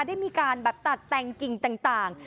ได้มีการแบบตัดแต่งกิ่งต่าง